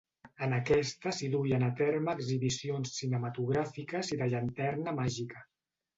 En aquesta s'hi duien a terme exhibicions cinematogràfiques i de llanterna màgica.